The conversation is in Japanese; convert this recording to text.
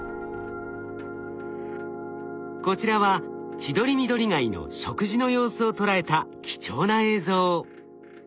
こちらはチドリミドリガイの食事の様子を捉えた貴重な映像。